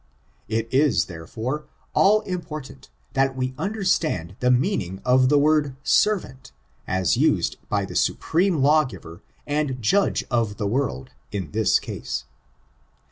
It is, therefore, all important, that we understand the meaning of the word servant, as used by the Supreme Lawgiver and Judge of the world, in this case.